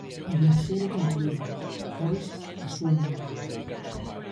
O viaxeiro concluíu, pois, a súa andaina.